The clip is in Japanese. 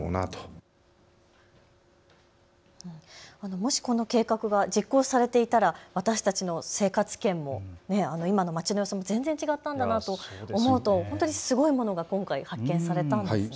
もしこの計画が実行されていたら私たちの生活圏も今のまちの様子も全然違ったんだなと思うと、すごいものが今回発見されたんですね。